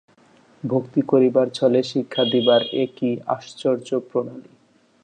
ভক্তি করিবার ছলে শিক্ষা দিবার এ কী আশ্চর্য প্রণালী।